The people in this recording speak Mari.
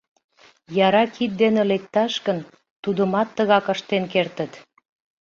Яра кид дене лекташ гын, тудымат тыгак ыштен кертыт.